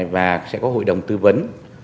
và sẽ có hội đồng tư vấn